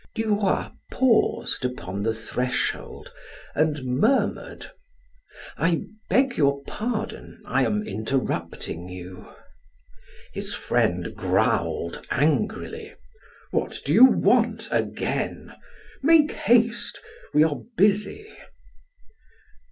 Duroy paused upon the threshold and murmured: "I beg your pardon, I am interrupting you." His friend growled angrily: "What do you want again? Make haste; we are busy."